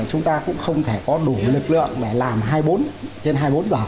chúng ta cũng không thể có đủ lực lượng để làm hai mươi bốn trên hai mươi bốn giờ